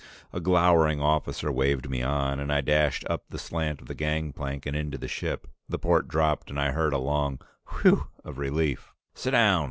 A glowering officer waved me on, and I dashed up the slant of the gangplank and into the ship; the port dropped and I heard a long "Whew!" of relief. "Sit down!"